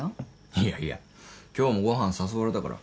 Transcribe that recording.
いやいや今日もご飯誘われたから。